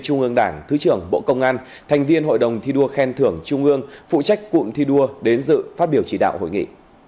trung ương đảng thứ trưởng bộ công an thành viên hội đồng thi đua khen thưởng trung ương phụ trách cụm thi đua đến dự phát biểu chỉ đạo hội nghị